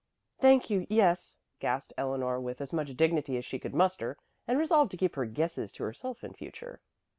"Thank you, yes," gasped Eleanor with as much dignity as she could muster, and resolved to keep her guesses to herself in future.